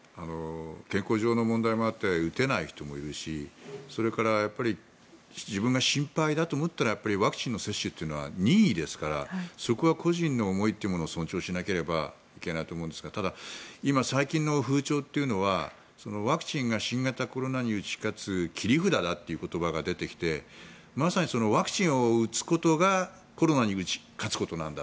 健康上の問題もあって打てない人もいるしそれから自分が心配だと思ったらワクチンの接種というのは任意ですからそこは個人の思いというのを尊重しなければいけないと思うんですがただ、今最近の風潮というのはワクチンが新型コロナに打ち勝つ切り札だという言葉が出てきてまさにワクチンを打つことがコロナに打ち勝つことなんだ。